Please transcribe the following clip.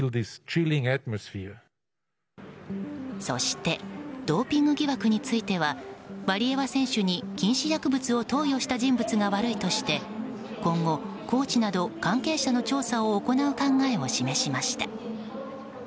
そしてドーピング疑惑についてはワリエワ選手に禁止薬物を投与した人物が悪いとして今後コーチなど関係者の調査を行う考えを示しました。